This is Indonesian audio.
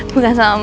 bukan sama mas ali